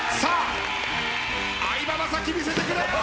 相葉雅紀見せてくれ！